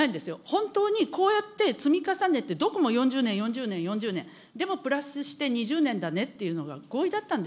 本当にこうやって積み重ねてどこも４０年、４０年、４０年、でもプラスして２０年だねっていうのが合理的じゃない。